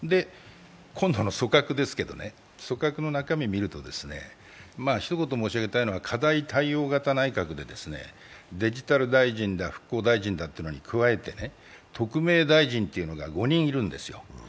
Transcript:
今度の組閣の中身を見ると、一言申し上げたいのは課題対応型内閣でデジタル大臣だ、復興大臣だというのに加えて特命大臣というのが５人いるんですよ。